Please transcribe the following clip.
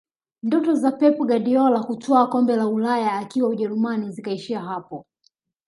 ndoto za pep guardiola kutwaa kombe la ulaya akiwa ujerumani zikaishia hapo